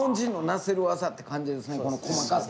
この細かさ。